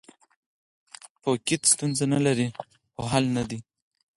فوقیت ستونزه نه لري، خو حل نه دی.